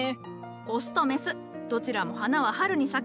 オスとメスどちらも花は春に咲く。